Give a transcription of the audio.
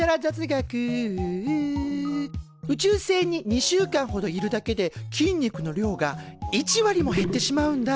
宇宙船に２週間ほどいるだけで筋肉の量が１割も減ってしまうんだ。